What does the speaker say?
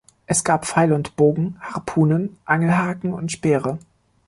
Es gab Pfeil und Bogen, Harpunen, Angelhaken und Speere.